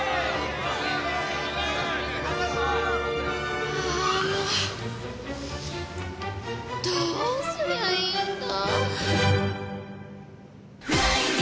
あもうどうすりゃいいんだ？